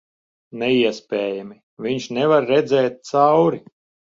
Neiespējami. Viņš nevar redzēt cauri...